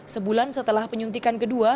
sebulan setelah penyuntikan kedua